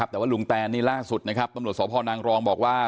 แต่ว่าลุงแตนนี่ล่าสุดนะครับตำรวจสพนางรองบอกว่า